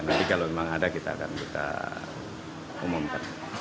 nanti kalau memang ada kita akan kita umumkan